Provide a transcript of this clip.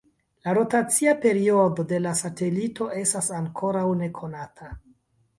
La rotacia periodo de la satelito estas ankoraŭ nekonata.